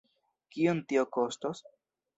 Kiom tio kostos?